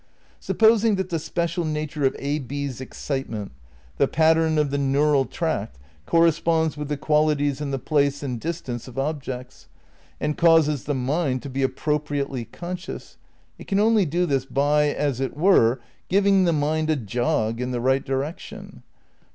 Supposing that the special nature of A B's excitement, the pattern of the neural tract, corresponds with the qualities and the place and distance of objects, and causes the mind to be appro priately conscious, it can only do this by, as it were, giving the mind a jog in the right direction ; but since ' Space, Time and Deity, Vol.